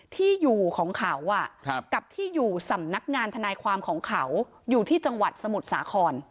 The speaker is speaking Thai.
ที่อยู่ของเขากับที่อยู่สำนักงานทนายความของเขาอยู่ที่จังหวัดสมุทรสาคร